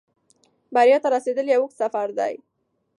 بریا ته رسېدل یو اوږد سفر دی.